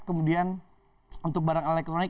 kemudian untuk barang elektronik